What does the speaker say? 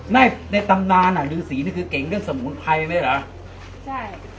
ในในตำนานอ่ะรื้อสีนี่คือเก่งเรื่องสมุนไพรไหมล่ะใช่